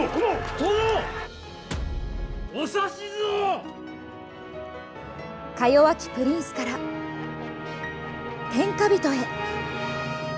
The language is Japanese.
殿！お指図を！かよわきプリンスから天下人へ。